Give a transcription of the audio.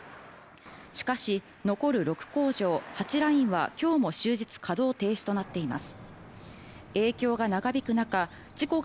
しかし残る６工場８ラインはきょうも終日稼働停止となっています